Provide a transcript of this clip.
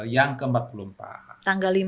yang ke empat puluh empat tanggal lima